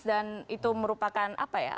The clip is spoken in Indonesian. dan itu merupakan apa ya